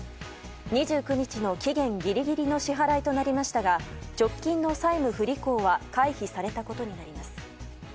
２９日の期限ギリギリの支払いとなりましたが直近の債務不履行は回避されたことになります。